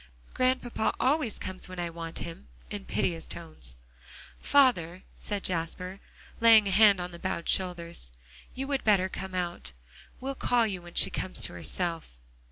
"Grandpapa always comes when I want him," in piteous tones. "Father," said Jasper, laying a hand on the bowed shoulders, "you would better come out. We'll call you when she comes to herself."